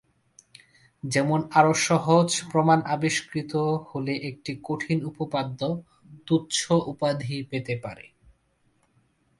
যেমন আরো সহজ প্রমাণ আবিষ্কৃত হলে একটি "কঠিন" উপপাদ্য "তুচ্ছ" উপাধি পেতে পারে।